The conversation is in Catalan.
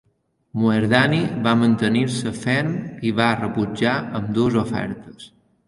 Moerdani va mantenir-se ferm i va rebutjar ambdues ofertes.